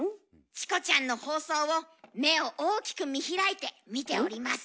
「『チコちゃん』の放送を目を大きく見開いて見ております」。